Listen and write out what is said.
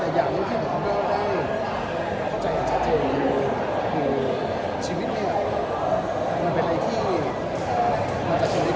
แต่อย่างที่ผมก็ได้เข้าใจชัดอยู่ชีวิตเนี่ยมันเป็นอะไรที่มันจะอยู่ด้วยอุปสรรค